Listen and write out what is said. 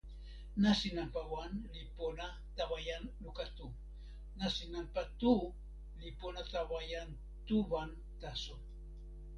nasin nanpa wan li pona tawa jan luka tu. nasin nanpa tu li pona tawa jan tu wan taso.